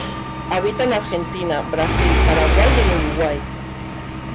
Habita en Argentina, Brasil, Paraguay y en Uruguay.